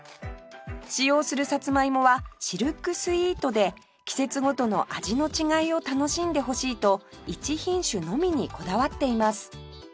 使用するサツマイモはシルクスイートで季節ごとの味の違いを楽しんでほしいと一品種のみにこだわっています